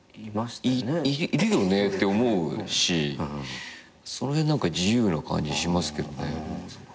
いるよねって思うしその辺何か自由な感じしますけどね。